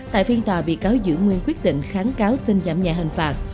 tại phiên tòa bị cáo giữ nguyên quyết định kháng cáo xin giảm nhẹ hình phạt